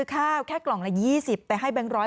ข้าวแค่กล่องละ๒๐แต่ให้แบงค์๑๐๐